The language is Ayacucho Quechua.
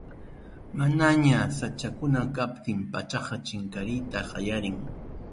Manaña sachakuna kaptin, pachaqa chinkariyta qallarin.